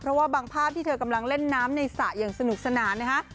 เพราะว่าบางภาพที่เธอกำลังเล่นน้ำในสระอย่างสนุกสนานนะฮะ